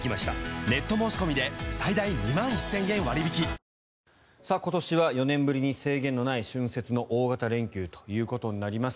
東京海上日動今年は４年ぶりに制限のない春節の大型連休ということになります。